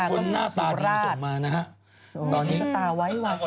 คนหน้าตาดินส่วนมานะฮะ